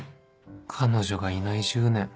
彼女がいない１０年